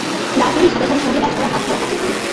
লাল পেড়ে সাদা শাড়ির সঙ্গে ম্যাচ করা হাত ভরা কাচের চুড়ি।